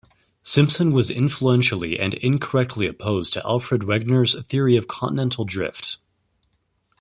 Simpson was influentially, and incorrectly, opposed to Alfred Wegener's theory of continental drift.